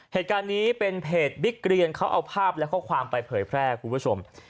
เหตุการณ์นี้เป็นเพจบิ๊กเรียนเขาเอาภาพและข้อความไปเผยแพร่คุณผู้ชม